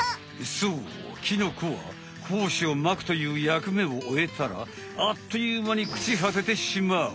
そうキノコはほうしをまくという役めをおえたらあっというまにくちはててしまう。